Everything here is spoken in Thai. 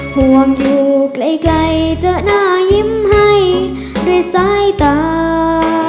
ห่วงอยู่ไกลจะหน้ายิ้มให้ด้วยสายตา